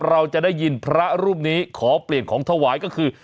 เราจะได้ยินพระรูปนี้ขอเปลี่ยนของถวายก็คือ